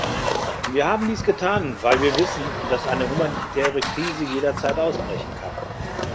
Wir haben dies getan, weil wir wissen, dass eine humanitäre Krise jederzeit ausbrechen kann.